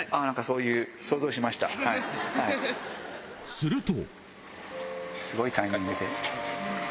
すると。